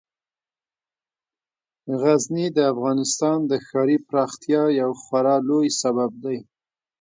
غزني د افغانستان د ښاري پراختیا یو خورا لوی سبب دی.